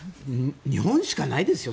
日本しかないですよ